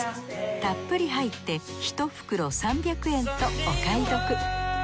たっぷり入って１袋３００円とお買い得。